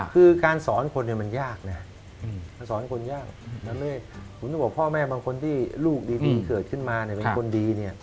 คือการสอนคนมันยากนะสอนคนยากดังนั้นเลยผมต้องบอกว่าพ่อแม่บางคนที่ลูกดีเกิดขึ้นมาเป็นคนดี